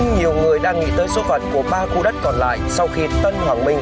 nhiều người đang nghĩ tới số phận của ba khu đất còn lại sau khi tân hoàng minh